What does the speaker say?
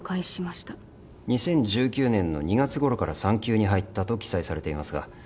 ２０１９年の２月ごろから産休に入ったと記載されていますが。